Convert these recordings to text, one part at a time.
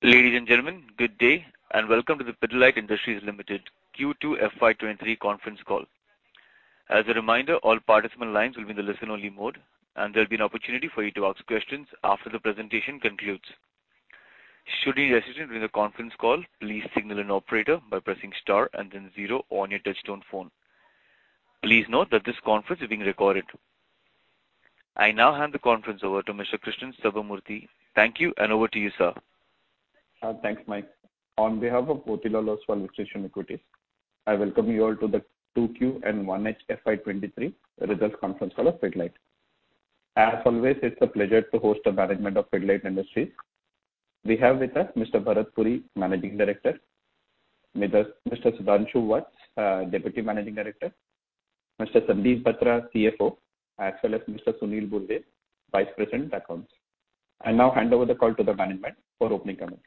Ladies, and gentlemen, good day, and welcome to the Pidilite Industries Limited Q2 FY 2023 Conference Call. As a reminder, all participant lines will be in the listen-only mode, and there'll be an opportunity for you to ask questions after the presentation concludes. Should you need assistance during the conference call, please signal an operator by pressing star and then zero on your touchtone phone. Please note that this conference is being recorded. I now hand the conference over to Mr. Krishnan Sambamoorthy. Thank you, and over to you, sir. Thanks, Mike. On behalf of Motilal Oswal Financial Services, I welcome you all to the 2Q and 1H FY 2023 results conference call of Pidilite. As always, it's a pleasure to host the management of Pidilite Industries. We have with us Mr. Bharat Puri, Managing Director. With us Mr. Sudhanshu Vats, Deputy Managing Director. Mr. Sandeep Batra, CFO, as well as Mr. Sunil Burde, Vice President Accounts. I now hand over the call to the management for opening comments.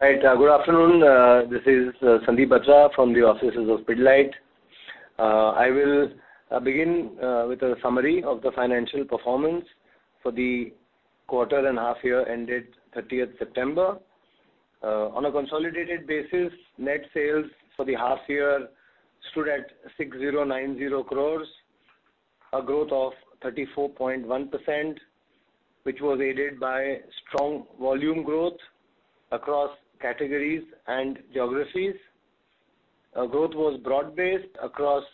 Right. Good afternoon, this is Sandeep Batra from the offices of Pidilite. I will begin with a summary of the financial performance for the quarter and half year ended 30th September. On a consolidated basis, net sales for the half year stood at 6,090 crores, a growth of 34.1%, which was aided by strong volume growth across categories and geographies. Our growth was broad-based across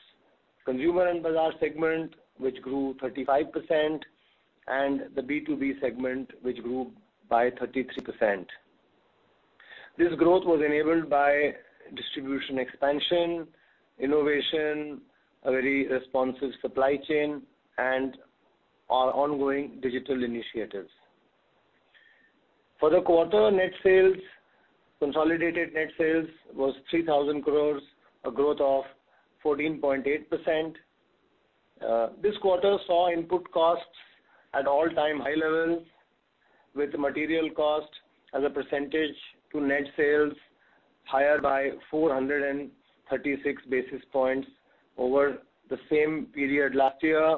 Consumer and Bazaar segment, which grew 35%, and the B2B segment, which grew by 33%. This growth was enabled by distribution expansion, innovation, a very responsive supply chain, and our ongoing digital initiatives. For the quarter, consolidated net sales was 3,000 crores, a growth of 14.8%. This quarter saw input costs at all-time high levels, with material cost as a percentage to net sales higher by 436 basis points over the same period last year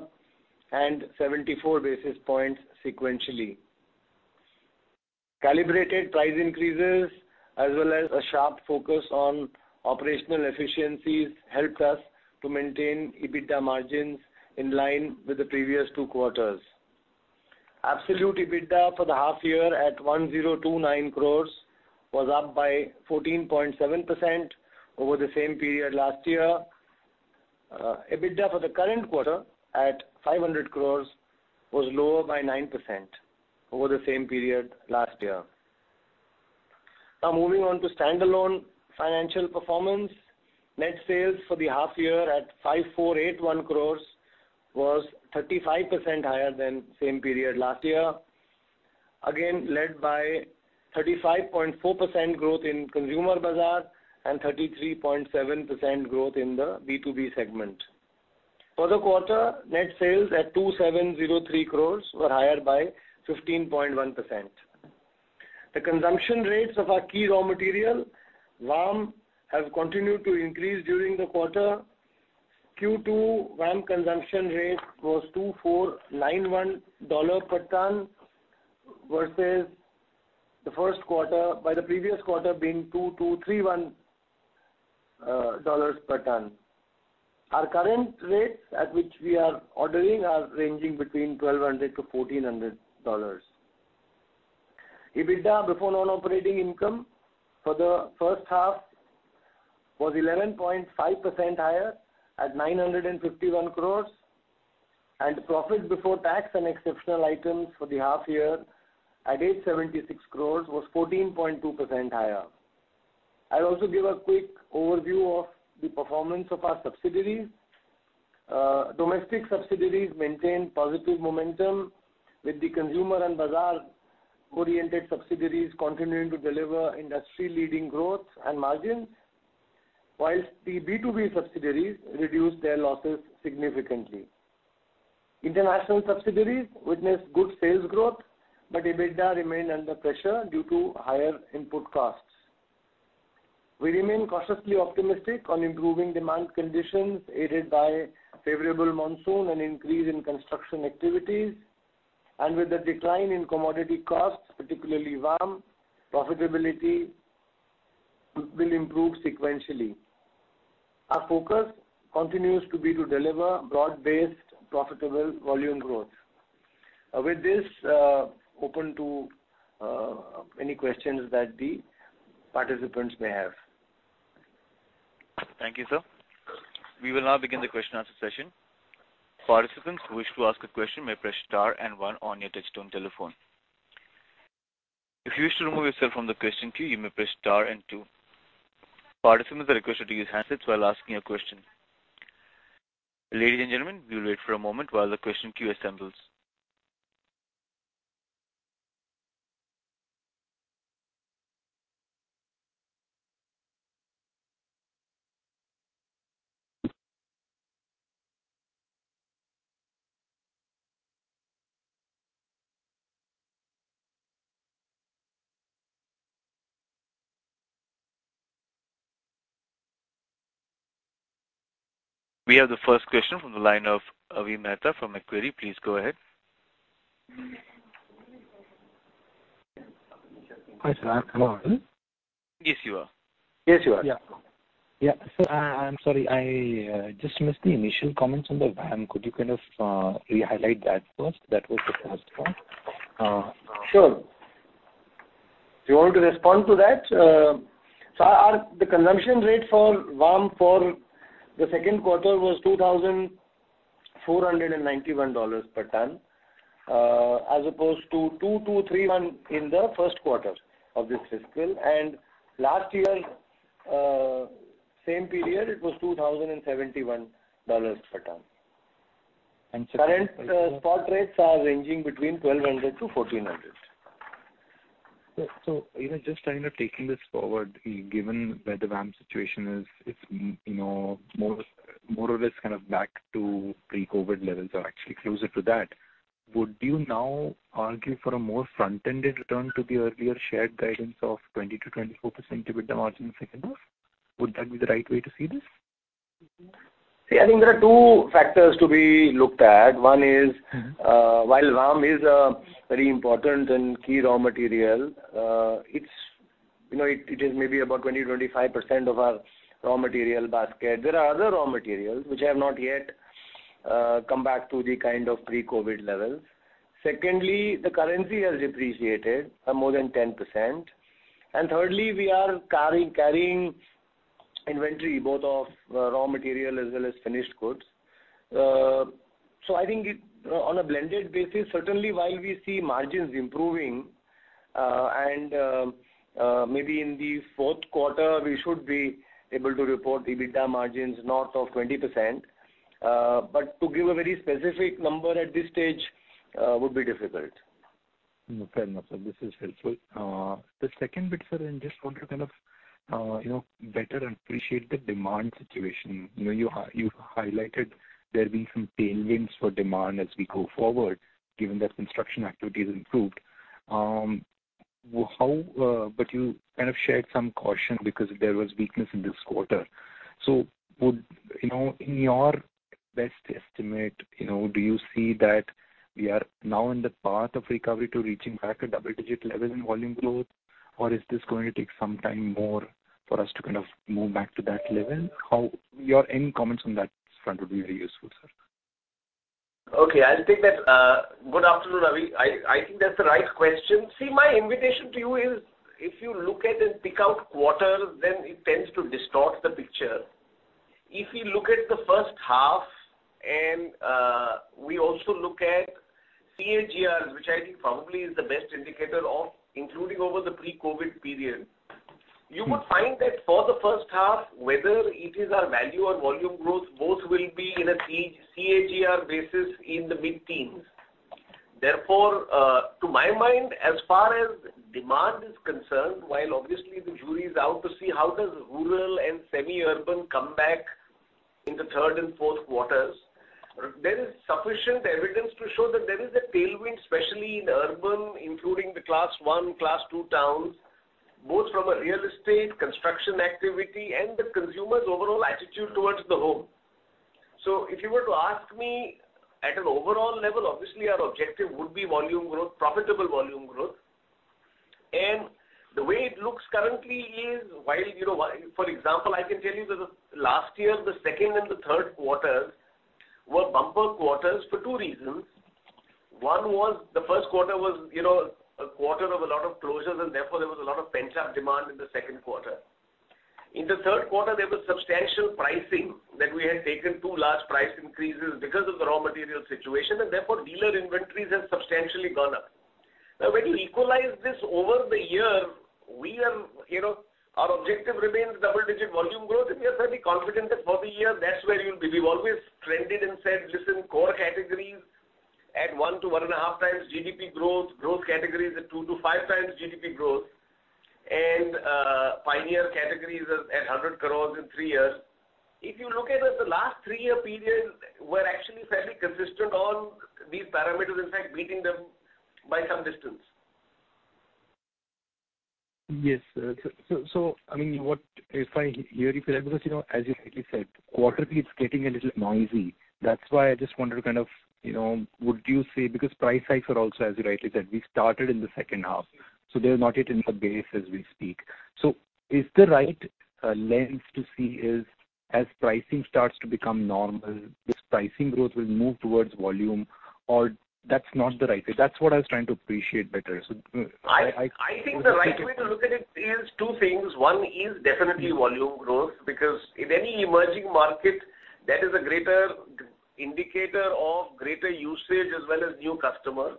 and 74 basis points sequentially. Calibrated price increases as well as a sharp focus on operational efficiencies helped us to maintain EBITDA margins in line with the previous two quarters. Absolute EBITDA for the half year at 1,029 crores was up by 14.7% over the same period last year. EBITDA for the current quarter at 500 crores was lower by 9% over the same period last year. Now moving on to standalone financial performance. Net sales for the half year at 5,481 crores was 35% higher than same period last year, again led by 35.4% growth in Consumer and Bazaar and 33.7% growth in the B2B segment. For the quarter, net sales at 2,703 crores were higher by 15.1%. The consumption rates of our key raw material, VAM, have continued to increase during the quarter. Q2 VAM consumption rate was $2,491 per ton versus the previous quarter being $2,231 per ton. Our current rates at which we are ordering are ranging between $1,200-$1,400. EBITDA before non-operating income for the first half was 11.5% higher at 951 crore, and profit before tax and exceptional items for the half year at 876 crore was 14.2% higher. I'll also give a quick overview of the performance of our subsidiaries. Domestic subsidiaries maintained positive momentum, with the Consumer and Bazaar-oriented subsidiaries continuing to deliver industry-leading growth and margins, while the B2B subsidiaries reduced their losses significantly. International subsidiaries witnessed good sales growth, but EBITDA remained under pressure due to higher input costs. We remain cautiously optimistic on improving demand conditions aided by favorable monsoon and increase in construction activities, and with the decline in commodity costs, particularly VAM, profitability will improve sequentially. Our focus continues to be to deliver broad-based profitable volume growth. With this, open to any questions that the participants may have. Thank you, sir. We will now begin the question-and-answer session. Participants who wish to ask a question may press star and one on your touchtone telephone. If you wish to remove yourself from the question queue, you may press star and two. Participants are requested to use handsets while asking a question. Ladies, and gentlemen, we'll wait for a moment while the question queue assembles. We have the first question from the line of Avi Mehta from Macquarie. Please go ahead. Hi, sir. am i audible? Yes, you are. Yes, you are. Yeah. Yeah. I'm sorry, I just missed the initial comments on the VAM. Could you kind of re-highlight that first? That was the first one. Sure. Do you want me to respond to that? So our, the consumption rate for VAM for the second quarter was $2,491 per ton, as opposed to $2,231 in the first quarter of this fiscal. Last year, same period, it was $2,071 per ton. And so- Current spot rates are ranging between 1,200-1,400. Even just kind of taking this forward, given where the VAM situation is, it's, you know, more or less kind of back to pre-COVID levels or actually closer to that. Would you now argue for a more front-ended return to the earlier shared guidance of 20%-24% EBITDA margin in the second half? Would that be the right way to see this? See, I think there are two factors to be looked at. One is, while VAM is a very important and key raw material, it's maybe about 20%-25% of our raw material basket. There are other raw materials which have not yet come back to the kind of pre-COVID levels. Secondly, the currency has depreciated by more than 10%. Thirdly, we are carrying inventory both of raw material as well as finished goods. I think on a blended basis, certainly while we see margins improving, maybe in the fourth quarter, we should be able to report the EBITDA margins north of 20%. To give a very specific number at this stage would be difficult. Fair enough, sir. This is helpful. The second bit, sir, I just want to kind of, you know, better appreciate the demand situation. You know, you highlighted there being some tailwinds for demand as we go forward, given that construction activity has improved. You kind of shared some caution because there was weakness in this quarter. Would you know, in your best estimate, you know, do you see that we are now in the path of recovery to reaching back a double-digit level in volume growth? Or is this going to take some time more for us to kind of move back to that level? Any comments on that front would be very useful, sir. Good afternoon, Avi. I think that's the right question. See, my invitation to you is if you look at and pick out quarters, then it tends to distort the picture. If you look at the first half, and we also look at CAGRs, which I think probably is the best indicator, including over the pre-COVID period. You would find that for the first half, whether it is our value or volume growth, both will be in a CAGR basis in the mid-teens. Therefore, to my mind, as far as demand is concerned, while obviously the jury is out to see how does rural and semi-urban come back in the third and fourth quarters, there is sufficient evidence to show that there is a tailwind, especially in urban, including the class one, class two towns, both from a real estate, construction activity, and the consumer's overall attitude towards the home. If you were to ask me at an overall level, obviously our objective would be volume growth, profitable volume growth. The way it looks currently is while, you know, for example, I can tell you that the last year, the second and the third quarters were bumper quarters for two reasons. One was the first quarter was, you know, a quarter of a lot of closures and therefore there was a lot of pent-up demand in the second quarter. In the third quarter, there was substantial pricing that we had taken two large price increases because of the raw material situation and therefore dealer inventories have substantially gone up. Now, when you equalize this over the year, we are, you know, our objective remains double-digit volume growth, and we are fairly confident that for the year that's where you'll be. We've always trended and said, listen, core categories at 1x-1.5x GDP growth categories at 2x-5x GDP growth, and pioneer categories at 100 crore in three years. If you look at it, the last three-year period were actually fairly consistent on these parameters, in fact, beating them by some distance. Yes, sir. I mean, if I hear you correctly, because, you know, as you rightly said, quarter beats getting a little noisy. That's why I just wanted to kind of, you know, would you say because price hikes are also, as you rightly said, we started in the second half, so they're not yet in the base as we speak. Is the right lens to see as pricing starts to become normal, this pricing growth will move towards volume, or that's not the right way? That's what I was trying to articulate better. I think the right way to look at it is two things. One is definitely volume growth, because in any emerging market that is a greater indicator of greater usage as well as new customers.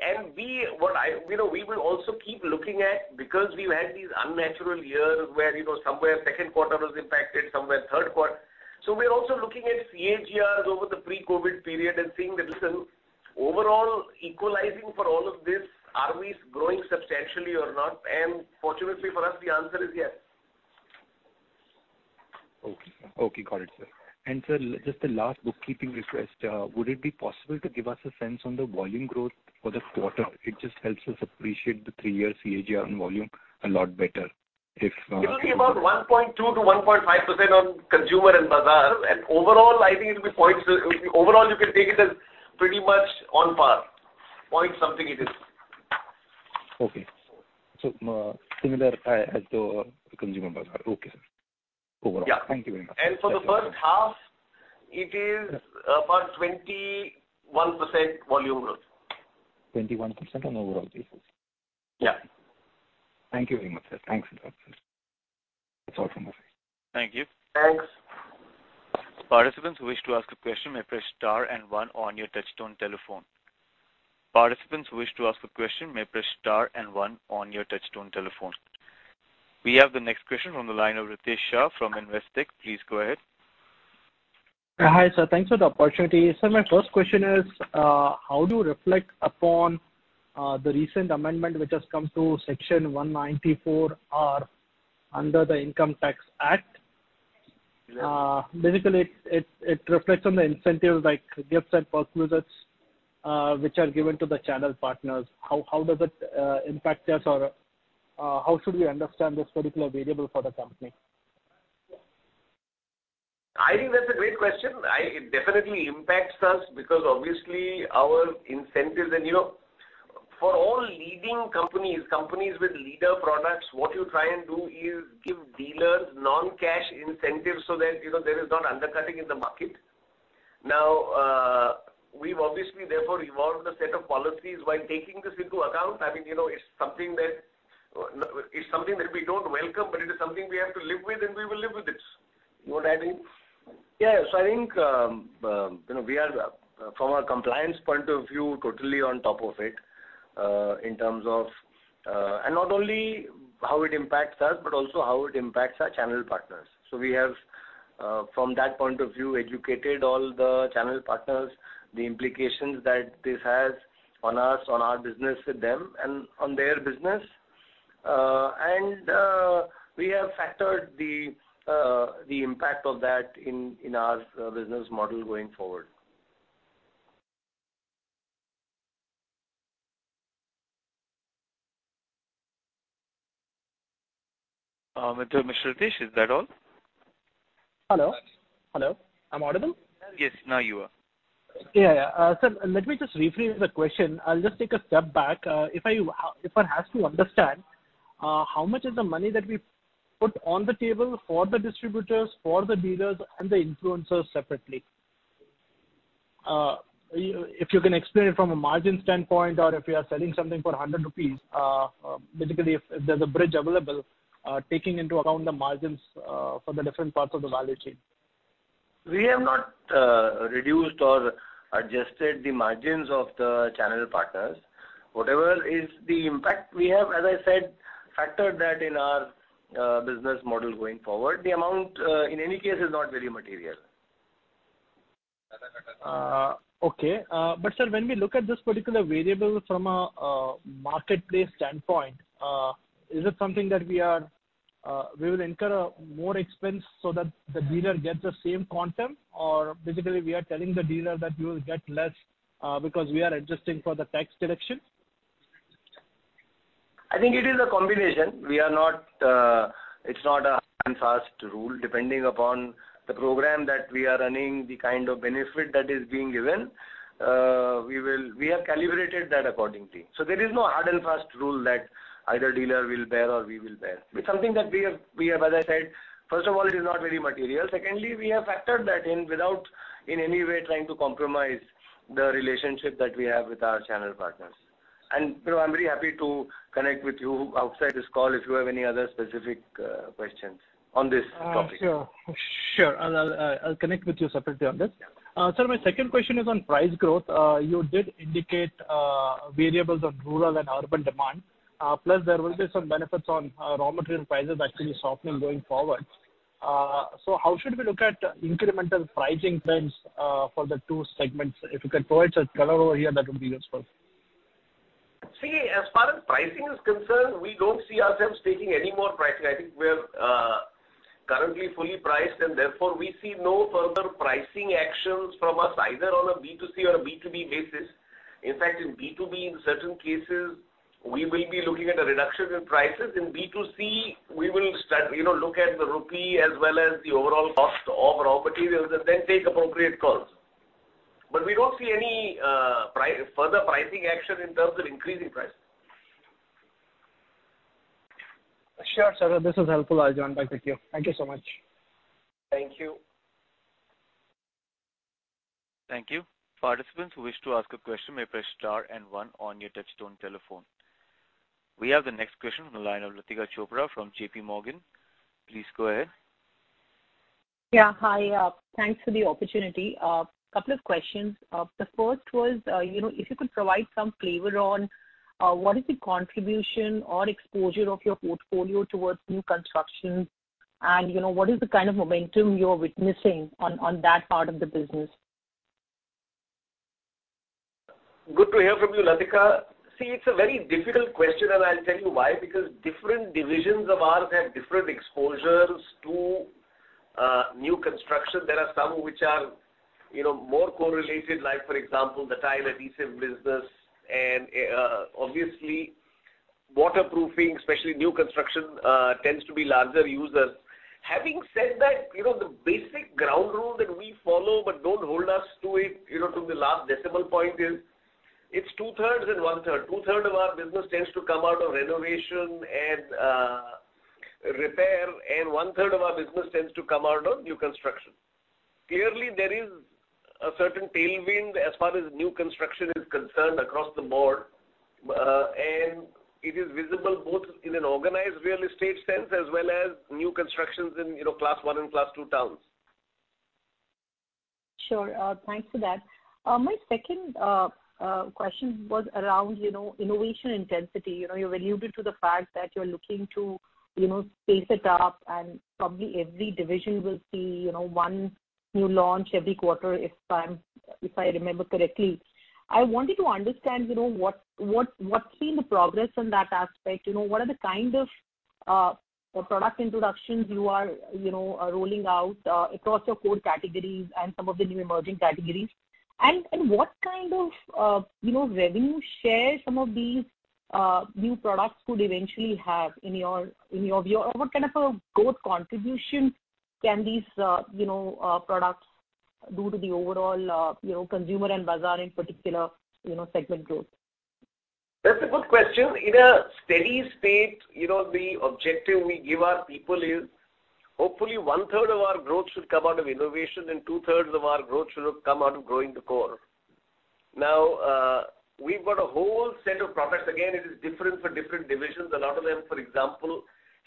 You know, we will also keep looking at because we've had these unnatural years where, you know, somewhere second quarter was impacted, somewhere third quarter. We're also looking at CAGRs over the pre-COVID period and seeing that, listen, overall equalizing for all of this, are we growing substantially or not? Fortunately for us, the answer is yes. Okay. Okay. Got it, sir. Sir, just a last bookkeeping request. Would it be possible to give us a sense on the volume growth for the quarter? It just helps us appreciate the three-year CAGR on volume a lot better. It's not- It will be about 1.2%-1.5% on Consumer and Bazaar. Overall, you can take it as pretty much on par. Point something it is. Okay. Similar as to our Consumer and Bazaar. Okay, sir. Overall. Yeah. Thank you very much. For the first half, it is about 21% volume growth. 21% on overall basis. Yeah. Thank you very much, sir. Thanks a lot. That's all from my side. Thank you. Thanks. Participants who wish to ask a question may press star and one on your touchtone telephone. Participants who wish to ask a question may press star and one on your touchtone telephone. We have the next question from the line of Ritesh Shah from Investec. Please go ahead. Hi, sir. Thanks for the opportunity. Sir, my first question is, how do you reflect upon the recent amendment which has come to Section 194R under the Income Tax Act? Basically it reflects on the incentives like gifts and perquisites, which are given to the channel partners. How does it impact us or, how should we understand this particular variable for the company? I think that's a great question. It definitely impacts us because obviously our incentives. You know, for all leading companies with leader products, what you try and do is give dealers non-cash incentives so that, you know, there is not undercutting in the market. Now, we've obviously therefore evolved a set of policies by taking this into account. I mean, you know, it's something that we don't welcome, but it is something we have to live with, and we will live with it. You know what I mean? Yes. I think, you know, we are, from a compliance point of view, totally on top of it, in terms of, and not only how it impacts us, but also how it impacts our channel partners. We have from that point of view educated all the channel partners, the implications that this has on us, on our business with them and on their business. We have factored the impact of that in our business model going forward. Mr. Ritesh, is that all? Hello. Hello. I'm audible? Yes, now you are. Yeah, yeah. Sir, let me just rephrase the question. I'll just take a step back. If one has to understand how much is the money that we put on the table for the distributors, for the dealers and the influencers separately. If you can explain it from a margin standpoint or if you are selling something for 100 rupees, basically if there's a bridge available, taking into account the margins, for the different parts of the value chain. We have not reduced or adjusted the margins of the channel partners. Whatever is the impact we have, as I said, factored that in our business model going forward. The amount in any case is not very material. Okay. Sir, when we look at this particular variable from a marketplace standpoint, is it something that we will incur more expense so that the dealer gets the same quantum or basically we are telling the dealer that you will get less because we are adjusting for the tax collection? I think it is a combination. We are not, it's not a hard and fast rule. Depending upon the program that we are running, the kind of benefit that is being given, we have calibrated that accordingly. There is no hard and fast rule that either dealer will bear or we will bear. It's something that we have, as I said, first of all, it is not very material. Secondly, we have factored that in without in any way trying to compromise the relationship that we have with our channel partners. You know, I'm very happy to connect with you outside this call if you have any other specific questions on this topic. Sure. I'll connect with you separately on this. Sir, my second question is on price growth. You did indicate variables of rural and urban demand. Plus there will be some benefits on raw material prices actually softening going forward. So how should we look at incremental pricing trends for the two segments? If you can throw a color over here, that would be useful. See, as far as pricing is concerned, we don't see ourselves taking any more pricing. I think we're currently fully priced and therefore we see no further pricing actions from us either on a B2C or a B2B basis. In fact, in B2B in certain cases we will be looking at a reduction in prices. In B2C, we will start, you know, look at the rupee as well as the overall cost of raw materials and then take appropriate calls. We don't see any further pricing action in terms of increasing prices. Sure, sir. This is helpful. I'll join back with you. Thank you so much. Thank you. Thank you. Participants who wish to ask a question may press star and one on your touchtone telephone. We have the next question from the line of Latika Chopra from JPMorgan. Please go ahead. Yeah. Hi. Thanks for the opportunity. Couple of questions. The first was, you know, if you could provide some flavor on, what is the contribution or exposure of your portfolio towards new constructions and, you know, what is the kind of momentum you're witnessing on that part of the business? Good to hear from you, Latika. See, it's a very difficult question, and I'll tell you why, because different divisions of ours have different exposures to new construction, there are some which are, you know, more correlated, like for example, the tile adhesive business and obviously waterproofing, especially new construction, tends to be larger users. Having said that, you know, the basic ground rule that we follow, but don't hold us to it, you know, to the last decimal point is, it's 2/3 and 1/3. 2/3 of our business tends to come out of renovation and repair, and 1/3 of our business tends to come out of new construction. Clearly, there is a certain tailwind as far as new construction is concerned across the board. It is visible both in an organized real estate sense as well as new constructions in, you know, Class 1 and Class 2 towns. Sure. Thanks for that. My second question was around, you know, innovation intensity. You know, you alluded to the fact that you're looking to, you know, pace it up, and probably every division will see, you know, one new launch every quarter, if I remember correctly. I wanted to understand, you know, what's been the progress in that aspect? You know, what are the kind of product introductions you are, you know, rolling out across your core categories and some of the new emerging categories? And what kind of, you know, revenue share some of these new products could eventually have in your view? Or what kind of a growth contribution can these, you know, products do to the overall, you know, Consumer and Bazaar in particular, you know, segment growth? That's a good question. In a steady state, you know, the objective we give our people is, hopefully 1/3 of our growth should come out of innovation, and 2/3 of our growth should have come out of growing the core. Now, we've got a whole set of products. Again, it is different for different divisions. A lot of them, for example,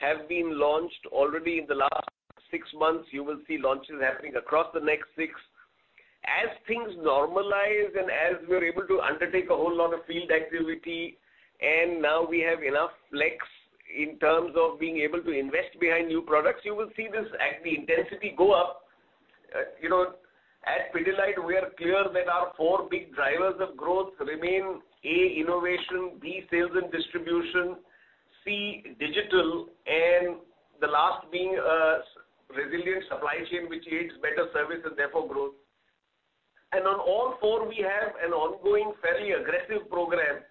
have been launched already in the last six months. You will see launches happening across the next six. As things normalize and as we're able to undertake a whole lot of field activity, and now we have enough flex in terms of being able to invest behind new products, you will see this at the intensity go up. You know, at Pidilite, we are clear that our four big drivers of growth remain, A, innovation, B, sales and distribution, C, digital, and the last being a resilient supply chain which yields better service and therefore growth. On all four, we have an ongoing, fairly aggressive program,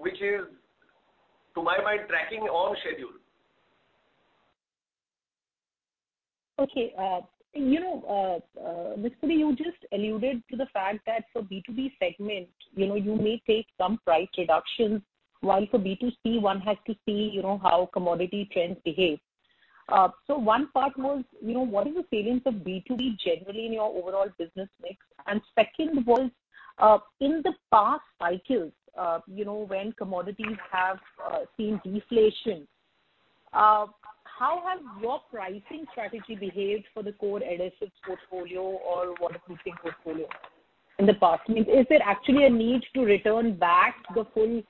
which is to my mind, tracking on schedule. Okay. You know, Mr. Puri, you just alluded to the fact that for B2B segment, you know, you may take some price reductions, while for B2C one has to see, you know, how commodity trends behave. One part was, you know, what is the salience of B2B generally in your overall business mix? Second was, in the past cycles, you know, when commodities have seen deflation, how has your pricing strategy behaved for the core adhesives portfolio or waterproofing portfolio in the past? I mean, is there actually a need to return back the full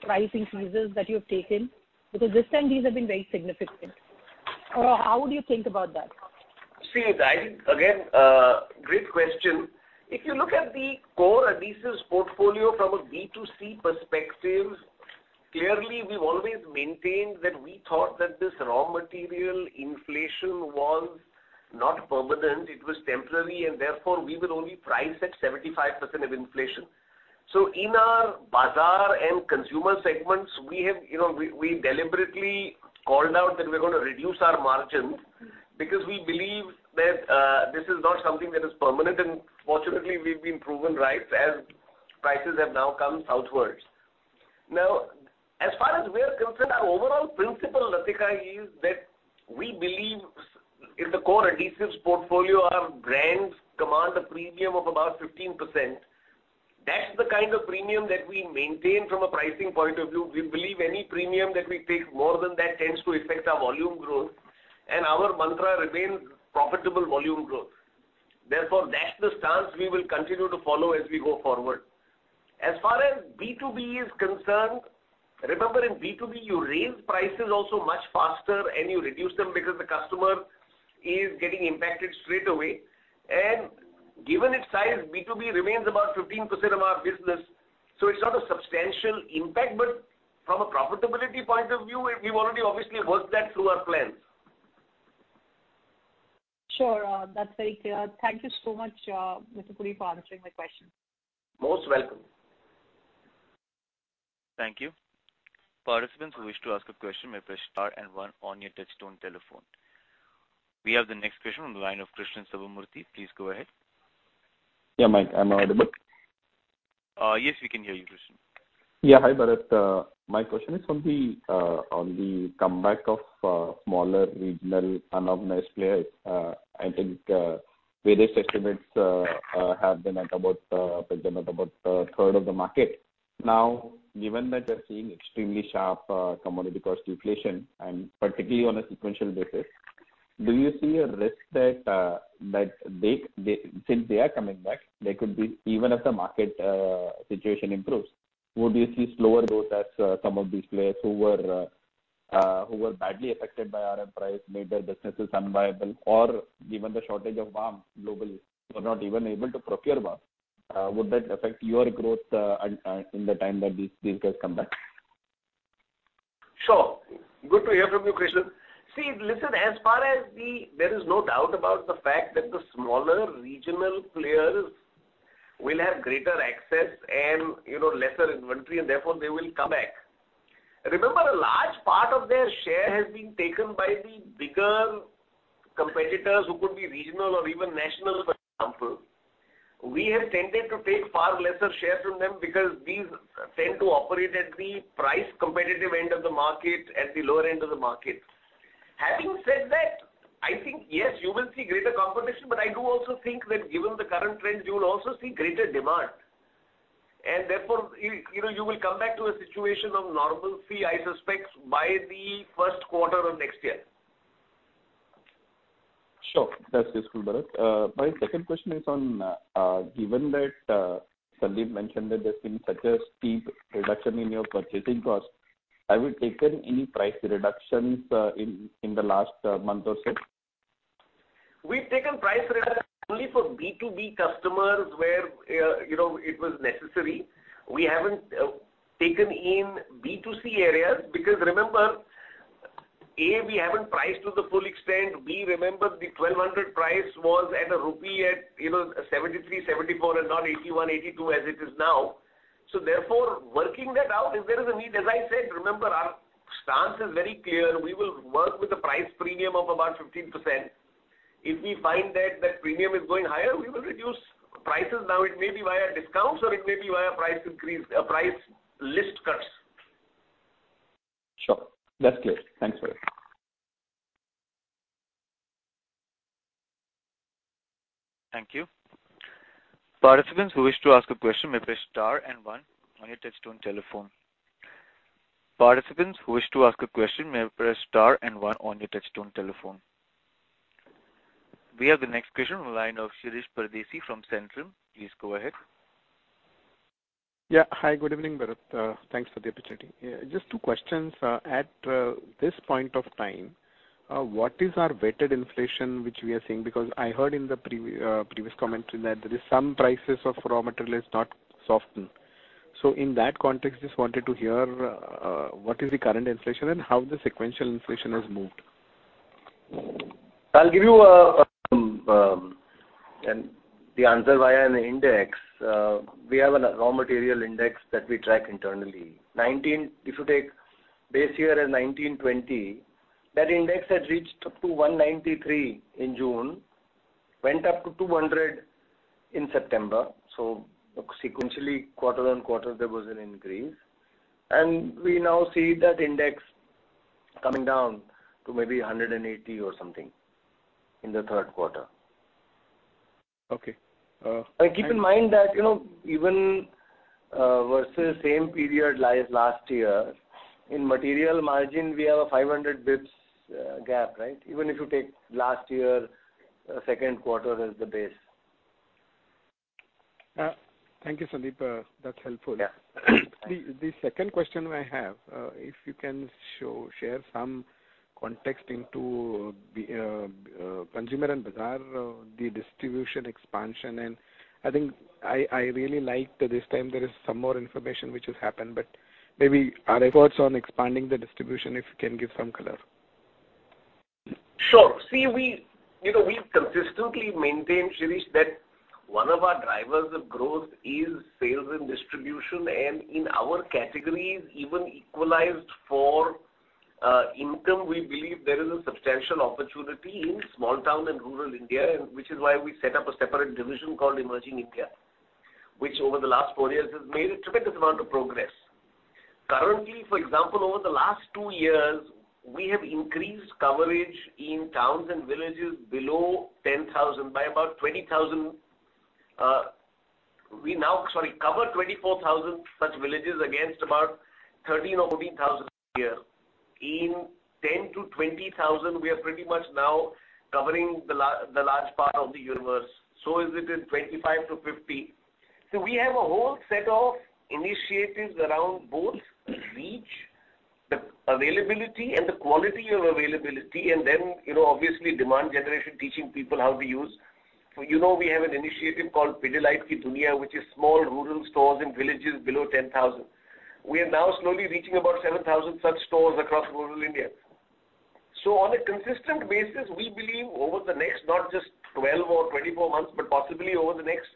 price increases that you have taken? Because this time these have been very significant. Or how would you think about that? See, I think, again, great question. If you look at the core adhesives portfolio from a B2C perspective, clearly we've always maintained that we thought that this raw material inflation was not permanent, it was temporary, and therefore we will only price at 75% of inflation. In our Bazaar and Consumer segments, we have, you know, we deliberately called out that we're gonna reduce our margins because we believe that, this is not something that is permanent. Fortunately, we've been proven right as prices have now come southwards. Now, as far as we're concerned, our overall principle, Latika, is that we believe in the core adhesives portfolio, our brands command a premium of about 15%. That's the kind of premium that we maintain from a pricing point of view. We believe any premium that we take more than that tends to affect our volume growth, and our mantra remains profitable volume growth. Therefore, that's the stance we will continue to follow as we go forward. As far as B2B is concerned, remember, in B2B, you raise prices also much faster and you reduce them because the customer is getting impacted straightaway. Given its size, B2B remains about 15% of our business. It's not a substantial impact. From a profitability point of view, we've already obviously worked that through our plans. Sure. That's very clear. Thank you so much, Mr. Puri, for answering my question. Most welcome. Thank you. Participants who wish to ask a question may press star and one on your touchtone telephone. We have the next question on the line of Krishnan Sambamoorthy. Please go ahead. Yeah, Mike, I'm audible. Yes, we can hear you, Krishnan. Yeah. Hi, Bharat. My question is on the comeback of smaller regional unorganized players. I think various estimates have been at about 1/3 of the market. Now, given that they're seeing extremely sharp commodity cost deflation, and particularly on a sequential basis, do you see a risk that they are coming back, there could be even if the market situation improves, would you see slower growth as some of these players who were badly affected by RM price made their businesses unviable? Or given the shortage of VAM globally, were not even able to procure VAM, would that affect your growth in the time that these guys come back? Sure. Good to hear from you, Krishnan. See, listen, as far as the, there is no doubt about the fact that the smaller regional players will have greater access and, you know, lesser inventory, and therefore they will come back. Remember, a large part of their share has been taken by the bigger competitors who could be regional or even national, for example. We have tended to take far lesser share from them because these tend to operate at the price competitive end of the market, at the lower end of the market. Having said that, I think, yes, you will see greater competition, but I do also think that given the current trends, you will also see greater demand. Therefore, you know, you will come back to a situation of normalcy, I suspect, by the first quarter of next year. Sure. That's useful, Bharat. My second question is on, given that, Sandeep mentioned that there's been such a steep reduction in your purchasing costs, have you taken any price reductions, in the last month or so? We've taken price reductions only for B2B customers where it was necessary. We haven't taken in B2C areas because remember, A, we haven't priced to the full extent. B, remember the 1,200 price was at a rupee at 73-74 and not 81-82 as it is now. Therefore working that out if there is a need. As I said, remember our stance is very clear. We will work with a price premium of about 15%. If we find that that premium is going higher, we will reduce prices. Now, it may be via discounts or it may be via price increase, price list cuts. Sure. That's clear. Thanks, Bharat. Thank you. Participants who wish to ask a question may press star and one on your touch-tone telephone. We have the next question on the line of Shirish Pardeshi from Centrum. Please go ahead. Yeah. Hi, good evening, Bharat. Thanks for the opportunity. Yeah, just two questions. At this point of time, what is our weighted inflation which we are seeing? Because I heard in the previous commentary that there is some prices of raw material has not softened. In that context, just wanted to hear what is the current inflation and how the sequential inflation has moved. I'll give you the answer via an index. We have a raw material index that we track internally. If you take base year as 2019, 2020, that index had reached up to 193 in June, went up to 200 in September. Sequentially, quarter-over-quarter, there was an increase. We now see that index coming down to maybe 180 or something in the third quarter. Okay. Keep in mind that, you know, even versus same period like last year, in material margin we have a 500 basis points gap, right? Even if you take last year second quarter as the base. Thank you, Sandeep. That's helpful. Yeah. The second question I have, if you can share some context into the Consumer and Bazaar, the distribution expansion. I think I really liked this time there is some more information which has happened, but maybe your efforts on expanding the distribution, if you can give some color. Sure. See, we, you know, we've consistently maintained, Shirish, that one of our drivers of growth is sales and distribution. In our categories, even equalized for income, we believe there is a substantial opportunity in small town and rural India, which is why we set up a separate division called Emerging India, which over the last four years has made a tremendous amount of progress. Currently, for example, over the last two years, we have increased coverage in towns and villages below 10,000 by about 20,000. We now cover 24,000 such villages against about 13,000 or 14,000 a year. In 10,000-20,000, we are pretty much now covering the large part of the universe. Is it in 25,000-50,000. We have a whole set of initiatives around both reach, the availability and the quality of availability, and then, you know, obviously demand generation, teaching people how to use. You know, we have an initiative called Pidilite Ki Duniya, which is small rural stores in villages below 10,000. We are now slowly reaching about 7,000 such stores across rural India. On a consistent basis, we believe over the next not just 12 or 24 months, but possibly over the next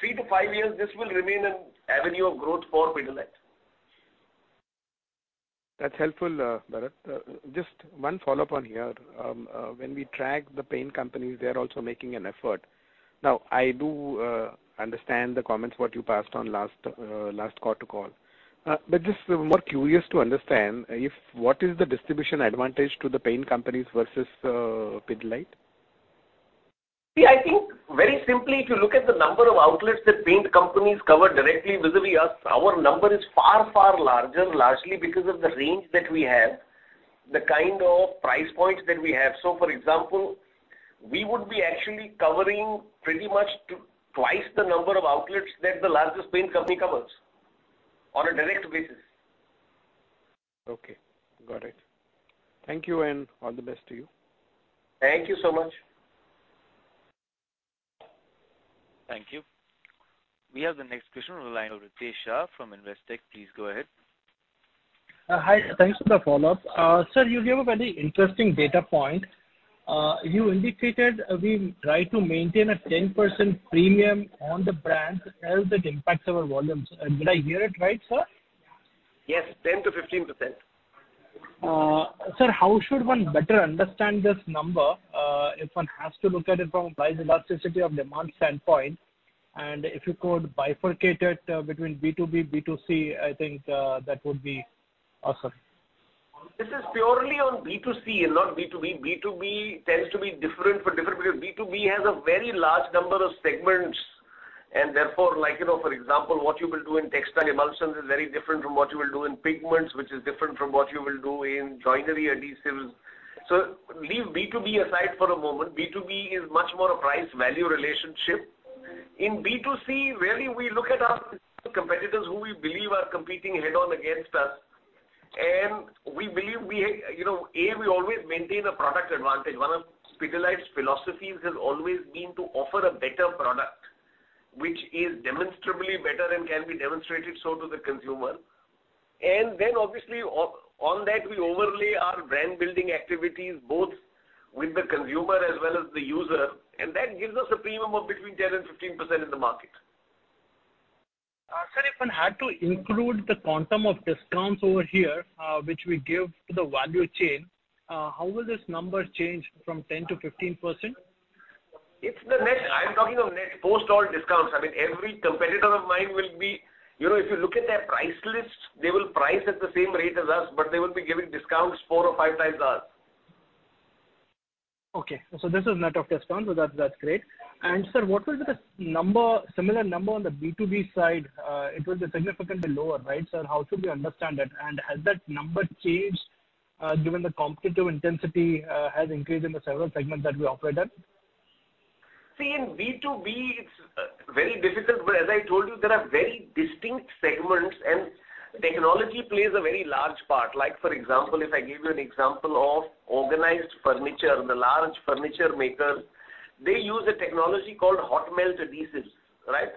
three to five years, this will remain an avenue of growth for Pidilite. That's helpful, Bharat. Just one follow-up on here. When we track the paint companies, they are also making an effort. Now, I do understand the comments what you passed on last quarter call. But just more curious to understand if what is the distribution advantage to the paint companies versus Pidilite? See, I think very simply, if you look at the number of outlets that paint companies cover directly vis-a-vis us, our number is far, far larger, largely because of the range that we have, the kind of price points that we have. For example, we would be actually covering pretty much twice the number of outlets that the largest paint company covers on a direct basis. Okay, got it. Thank you, and all the best to you. Thank you so much. Thank you. We have the next question on the line with Ritesh Shah from Investec. Please go ahead. Hi, thanks for the follow-up. Sir, you gave a very interesting data point. You indicated, we try to maintain a 10% premium on the brand as it impacts our volumes. Did I hear it right, sir? Yes, 10%-15%. Sir, how should one better understand this number, if one has to look at it from a price elasticity of demand standpoint, and if you could bifurcate it between B2B, B2C, I think, that would be awesome? This is purely on B2C and not B2B. B2B tends to be different for different people. B2B has a very large number of segments, and therefore like, you know, for example, what you will do in textile emulsions is very different from what you will do in pigments, which is different from what you will do in joinery adhesives. Leave B2B aside for a moment. B2B is much more a price-value relationship. In B2C, really we look at our competitors who we believe are competing head-on against us, and we believe, you know, we always maintain a product advantage. One of Pidilite's philosophies has always been to offer a better product which is demonstrably better and can be demonstrated so to the consumer. Obviously, on that we overlay our brand-building activities both with the consumer as well as the user, and that gives us a premium of between 10% and 15% in the market. Sir, if one had to include the quantum of discounts over here, which we give to the value chain, how will this number change from 10%-15%? It's the net. I'm talking of net, post all discounts. I mean, every competitor of mine will be. You know, if you look at their price lists, they will price at the same rate as us, but they will be giving discounts 4x or 5x us. Okay. This is net of discounts, so that's great. Sir, what will be the number, similar number on the B2B side? It will be significantly lower, right, sir? How should we understand that? Has that number changed given the competitive intensity has increased in the several segments that we operate in? See, in B2B it's very difficult. As I told you, there are very distinct segments and technology plays a very large part. Like for example, if I give you an example of organized furniture, the large furniture makers, they use a technology called hot melt adhesives, right?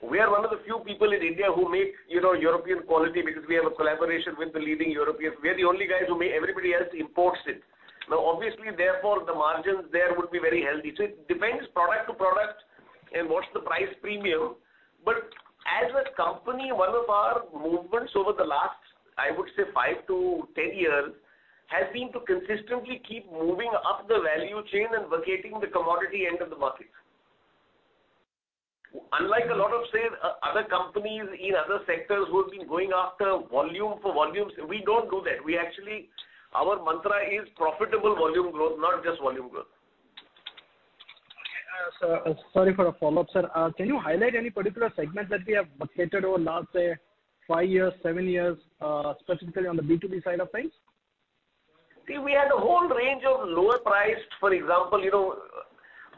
We are one of the few people in India who make, you know, European quality because we have a collaboration with the leading Europeans. We are the only guys who make, everybody else imports it. Now, obviously, therefore, the margins there would be very healthy. It depends product to product and what's the price premium. As a company, one of our movements over the last, I would say five to 10 years, has been to consistently keep moving up the value chain and vacating the commodity end of the markets. Unlike a lot of, say, other companies in other sectors who have been going after volume for volumes, we don't do that. We actually. Our mantra is profitable volume growth, not just volume growth. Okay. Sir, sorry for a follow-up, sir. Can you highlight any particular segment that we have vacated over last, say, five years, seven years, specifically on the B2B side of things? See, we had a whole range of lower priced, for example, you know,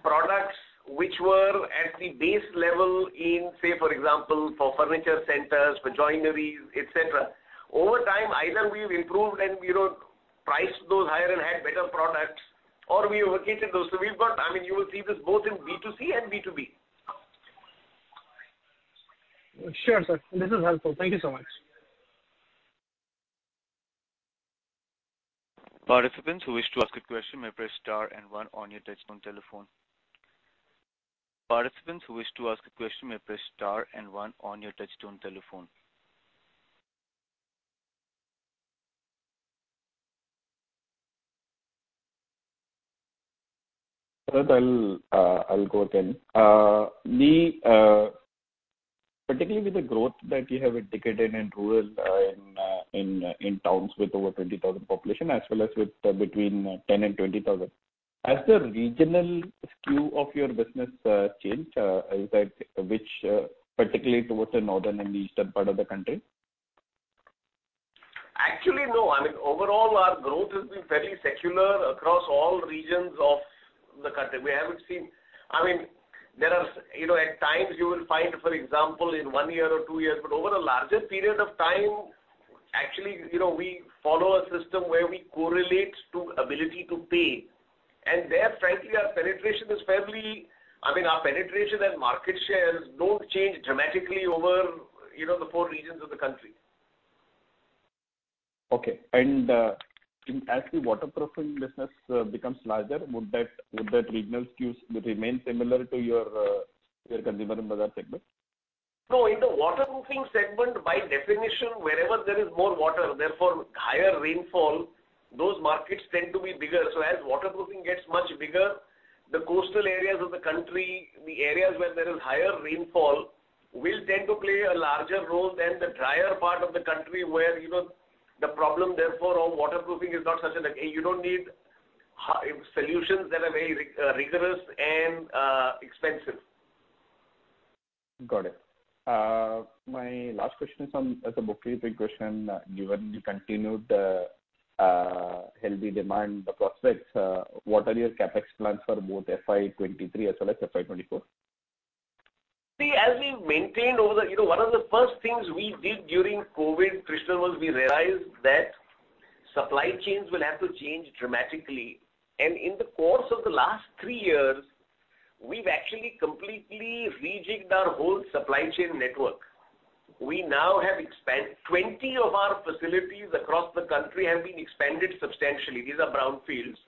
products which were at the base level in, say for example, for furniture centers, for joineries, et cetera. Over time, either we've improved and, you know, priced those higher and had better products or we vacated those. We've got, I mean, you will see this both in B2C and B2B. Sure, sir. This is helpful. Thank you so much. Participants who wish to ask a question may press star and one on your touch-tone telephone. Participants who wish to ask a question may press star and one on your touch-tone telephone. Sir, I'll go then. Particularly with the growth that you have indicated in rural in towns with over 20,000 population as well as with between 10,000 and 20,000. Has the regional skew of your business changed, is that which particularly towards the northern and eastern part of the country? Actually, no. I mean, overall our growth has been fairly secular across all regions of the country. We haven't seen. I mean, there are, you know, at times you will find, for example, in one year or two years, but over a larger period of time, actually, you know, we follow a system where we correlate to ability to pay. There frankly, our penetration is fairly, I mean, our penetration and market shares don't change dramatically over, you know, the four regions of the country. Okay. As the waterproofing business becomes larger, would that regional skews remain similar to your Consumer and Bazaar segment? No, in the waterproofing segment, by definition, wherever there is more water, therefore higher rainfall, those markets tend to be bigger. As waterproofing gets much bigger, the coastal areas of the country, the areas where there is higher rainfall, will tend to play a larger role than the drier part of the country where, you know, the problem therefore of waterproofing is not such an. You don't need solutions that are very rigorous and expensive. Got it. My last question is on, as a book closing question, given the continued healthy demand prospects, what are your CapEx plans for both FY 2023 as well as FY 2024? See, as we've maintained over the years. You know, one of the first things we did during COVID, Krishnan, was we realized that supply chains will have to change dramatically. In the course of the last three years, we've actually completely rejigged our whole supply chain network. We now have 20 of our facilities across the country have been expanded substantially. These are brownfields.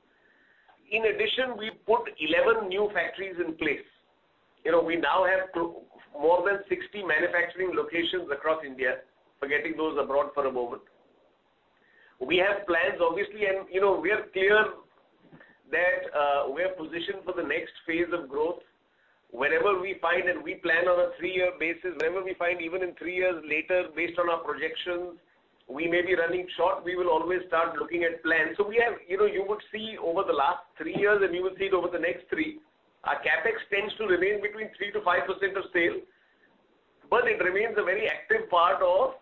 In addition, we put 11 new factories in place. You know, we now have more than 60 manufacturing locations across India, forgetting those abroad for a moment. We have plans, obviously, and, you know, we are clear that we are positioned for the next phase of growth. Whenever we find and we plan on a three-year basis, whenever we find even in three years later, based on our projections, we may be running short, we will always start looking at plans. We have, you know, you would see over the last three years, and you will see it over the next three, our CapEx tends to remain between 3%-5% of sales, but it remains a very active part of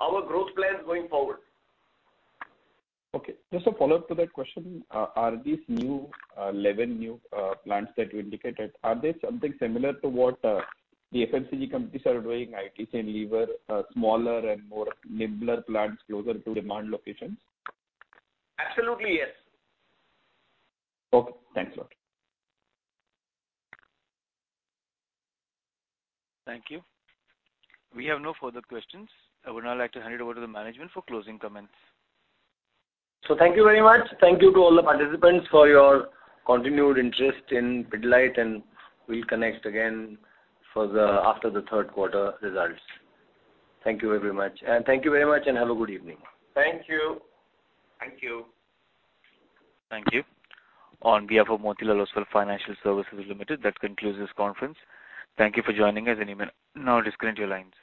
our growth plans going forward. Okay. Just a follow-up to that question. Are these 11 new plants that you indicated something similar to what the FMCG companies are doing, ITC and Lever, smaller and more nimbler plants closer to demand locations? Absolutely, yes. Okay. Thanks a lot. Thank you. We have no further questions. I would now like to hand it over to the management for closing comments. Thank you very much. Thank you to all the participants for your continued interest in Pidilite, and we'll connect again after the third quarter results. Thank you very much. Thank you very much, and have a good evening. Thank you. Thank you. Thank you. On behalf of Motilal Oswal Financial Services Limited, that concludes this conference. Thank you for joining us. You may now disconnect your lines.